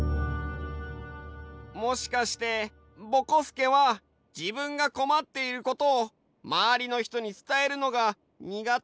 もしかしてぼこすけはじぶんがこまっていることをまわりのひとに伝えるのがにがてなんじゃないかな？